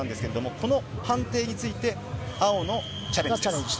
この判定について青のチャレンジです。